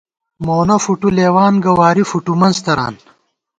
مونہ فوٹو لېوان گہ ، واری فوٹو منز تران